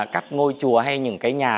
các ngôi chùa hay những cái nhà